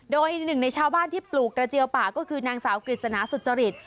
โดยอีกหนึ่งในชาวบ้านที่ปลูกกระเจียวป่าก็คือนางสาวกฤษณาสุจริต